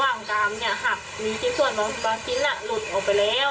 แล้วก็ตรงตรงกามระหว่างกามเนี่ยหักมีชิ้นส่วนบางชิ้นอ่ะหลุดออกไปแล้ว